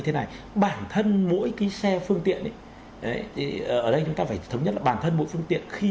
thế này bản thân mỗi cái xe phương tiện ấy ở đây chúng ta phải thống nhất là bản thân mỗi phương tiện khi